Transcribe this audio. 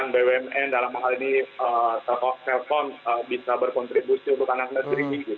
bumn dalam hal ini telpon telpon bisa berkontribusi untuk anak anak